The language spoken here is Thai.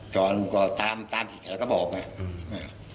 ก่อนก็ตามตามที่แกก็บอกไง